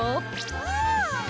うん！